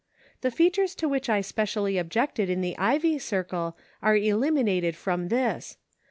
The features to which I specially objected in the Ivy Circle are eliminated from this.